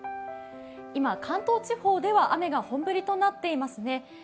今、関東地方では雨が本降りとなっていますね。